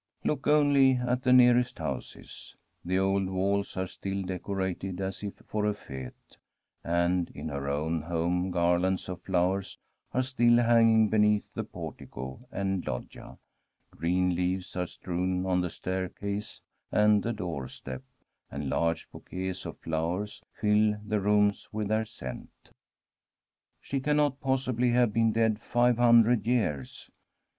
Look only at the nearest houses. The old walls are still decorated as if for a fete. And in her own home garlands of flowers are still hang ing beneath the portico and loggia, green leaves are strewn on the staircase and tne doorstep, and large bouquets of flowers fill the rooms with their scent. She cannot possibly have been dead five hun dred years.